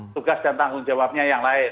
tugas dan tanggung jawabnya yang lain